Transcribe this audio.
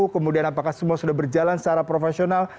kemudian apakah semua sudah berjalan secara profesional